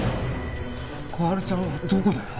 心春ちゃんはどこだよ！？